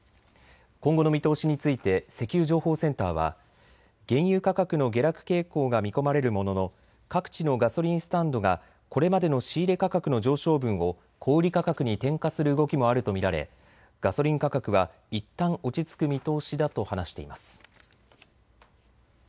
今後の見通しについて石油情報センターは原油価格の下落傾向が見込まれるものの各地のガソリンスタンドがこれまでの仕入価格の上昇分を小売価格に転嫁する動きもあると見られガソリン価格はいったん落ち着く見通しだと話しています。